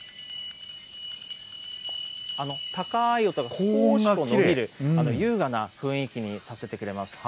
高い音が少し伸びる、優雅な雰囲気にさせてくれます。